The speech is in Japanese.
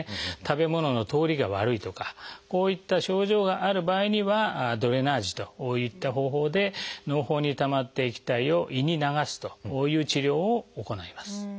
食べ物の通りが悪いとかこういった症状がある場合にはドレナージといった方法でのう胞にたまった液体を胃に流すという治療を行います。